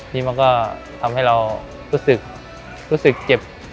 นี่มันก็ทำให้เรารู้สึกเจ็บ